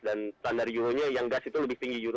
dan standar euro nya yang gas itu lebih tinggi